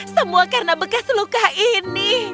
semua karena bekas luka ini